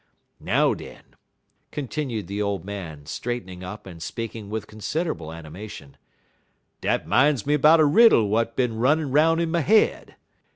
Now, den," continued the old man, straightening up and speaking with considerable animation, "dat 'min's me 'bout a riddle w'at been runnin' 'roun' in my head.